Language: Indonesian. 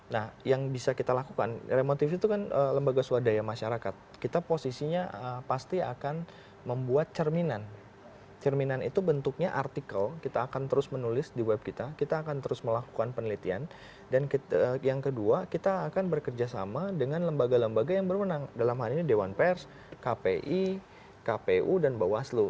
nah yang bisa kita lakukan remotiv itu kan lembaga swadaya masyarakat kita posisinya pasti akan membuat cerminan cerminan itu bentuknya artikel kita akan terus menulis di web kita kita akan terus melakukan penelitian dan yang kedua kita akan bekerja sama dengan lembaga lembaga yang berwenang dalam hal ini dewan pers kpi kpu dan bawaslu